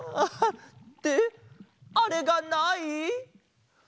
ってあれがない？